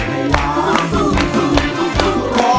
ร้องได้ให้ร้อง